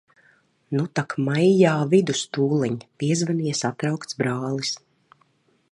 Nu tak maijā vidus tūliņ. Piezvanīja satraukts brālis.